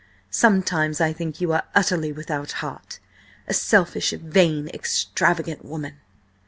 Sometimes I think you are utterly without heart!–a selfish, vain, extravagant woman!"